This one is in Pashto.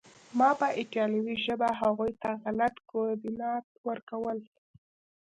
ما به په ایټالوي ژبه هغوی ته غلط کوردینات ورکول